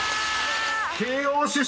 ［慶應出身